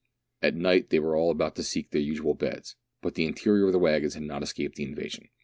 At night they were all about to seek their usual beds ; but the interior of the waggons had not escaped the invasion.